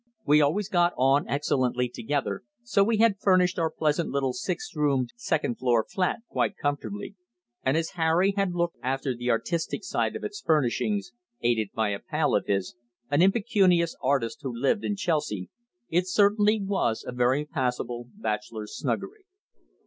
We always got on excellently together, so we had furnished our pleasant little six roomed, second floor flat quite comfortably, and as Harry had looked after the artistic side of its furnishings aided by a pal of his, an impecunious artist who lived in Chelsea it certainly was a very passable bachelor's snuggery.